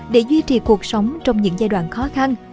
để duy trì cuộc sống trong những giai đoạn khó khăn